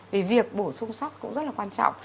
vì việc bổ sung sách cũng rất là quan trọng